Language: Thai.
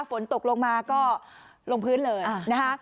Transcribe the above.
ฝนตกลงมาก็ลงพื้นเลยนะคะ